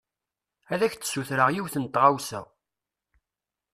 Ad ak-d-sutreɣ yiwen n tɣawsa.